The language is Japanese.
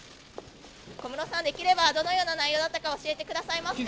小室さん、できればどのような内容だったか、教えてくださいますか。